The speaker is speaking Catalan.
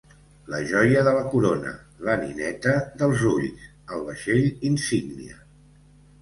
La joia de la corona, la nineta dels ulls, el vaixell insígnia.